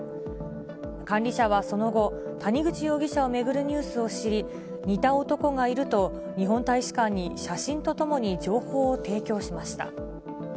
管理者はその後、谷口容疑者を巡るニュースを知り、似た男がいると、日本大使館に写真とともに情報を提供しました。